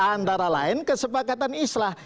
antara lain kesepakatan islah